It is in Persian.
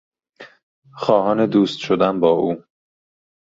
خواهان دوست شدن با او